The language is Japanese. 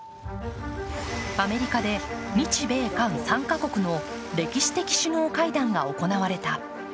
アメリカで日米韓３か国の歴史的首脳会談が行われた。